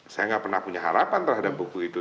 saya nggak pernah punya harapan terhadap buku itu